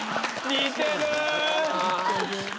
似てるな。